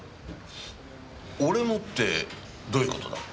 俺もってどういう事だ？